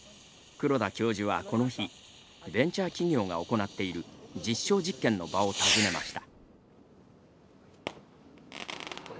黒田教授はこの日ベンチャー企業が行っている実証実験の場を訪ねました。